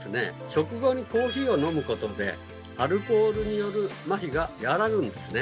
食後にコーヒーを飲むことでアルコールによるまひが和らぐんですね。